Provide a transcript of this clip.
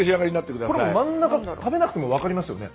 これ真ん中食べなくても分かりますよね。